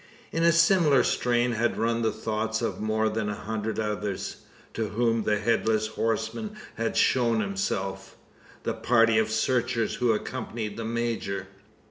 In a similar strain had run the thoughts of more than a hundred others, to whom the headless horseman had shown himself the party of searchers who accompanied the major.